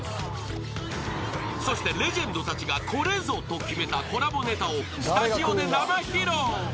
［そしてレジェンドたちがこれぞと決めたコラボネタをスタジオで生披露］